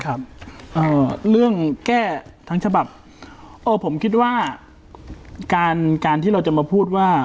เอ่อเรื่องแก้ทั้งฉบับเออผมคิดว่าการการที่เราจะมาพูดว่า